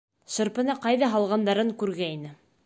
Шырпыны ҡайҙа һалғандарын күргәйне.